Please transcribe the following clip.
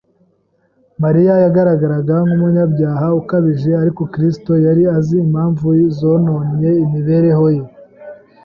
Mariya yagaragaraga nk'umunyabyaha ukabije ariko Kristo yari azi impamvu zononnye imibereho ye